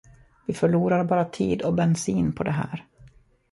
Vi förlorar bara tid och bensin på det här.